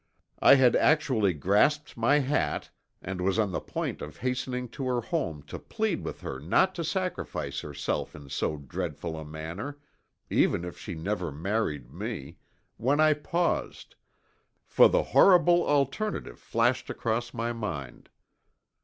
I had actually grasped my hat and was on the point of hastening to her home to plead with her not to sacrifice herself in so dreadful a manner, even if she never married me, when I paused, for the horrible alternative flashed across my mind.